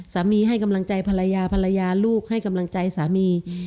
ให้กำลังใจภรรยาภรรยาลูกให้กำลังใจสามี